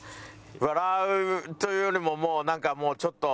笑うというよりももうなんかちょっと。